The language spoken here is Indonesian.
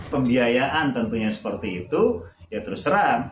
pembiayaan tentunya seperti itu ya terserah